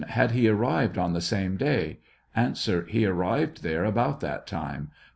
Had he arrived on the same day ? A. He 'arrived there about that time. Q.